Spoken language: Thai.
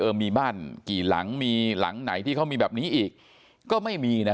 มีบ้านกี่หลังมีหลังไหนที่เขามีแบบนี้อีกก็ไม่มีนะ